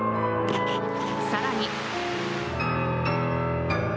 さらに。